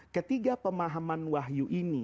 ketiga pemahaman wahyu